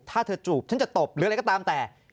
ถ้าเธอจูบฉันจะตบหรืออะไรก็ตามแต่